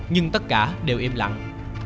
nhưng tất cả đều im lặng